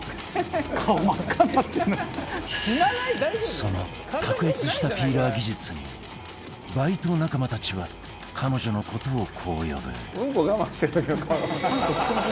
その卓越したピーラー技術にバイト仲間たちは彼女の事をこう呼ぶ